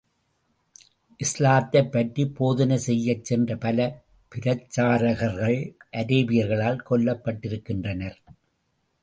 இஸ்லாத்தைப் பற்றிப் போதனை செய்யச் சென்ற பல பிரச்சாரகர்கள் அரேபியர்களால் கொல்லப்பட்டிருக்கின்றனர்.